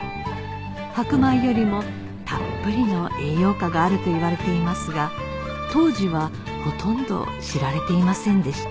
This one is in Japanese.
白米よりもたっぷりの栄養価があるといわれていますが当時はほとんど知られていませんでした